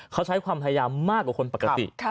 เขาใช้ความพยายามมากกว่าคนปกติ